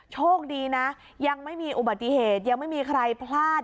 โชคดีนะยังไม่มีอุบัติเหตุยังไม่มีใครพลาด